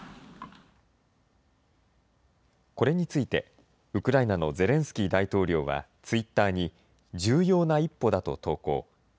これについて、ウクライナのゼレンスキー大統領は、ツイッターに、重要な一歩だと投稿。